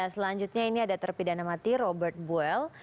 selanjutnya ini ada terpidana mati robert buel